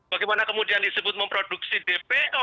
bagaimana kemudian disebut memproduksi dpo